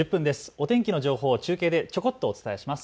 お天気の情報を中継でちょこっとお伝えします。